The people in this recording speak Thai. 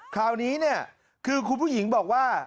คราวนี้ครูผู้หญิงบอกว่า